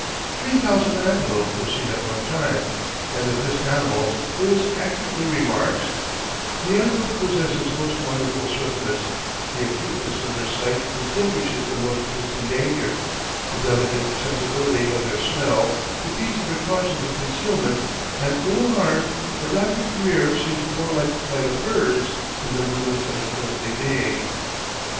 Three thousand antelope were seen at one time, and of this animal Lewis accurately remarks: "The antelope possesses most wonderful swiftness, the acuteness of their sight distinguishes the most distant danger, the delicate sensibility of their smell defeats the precautions of concealment, and when alarmed their rapid career seems more like the flight of birds than the movements of an earthly being."